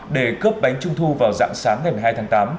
để cướp bánh trung thu vào dạng sáng ngày hai tháng tám